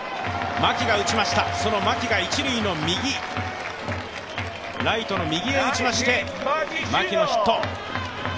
牧が打ちました、その牧が一塁の右、ライトの右に打ちましてヒット。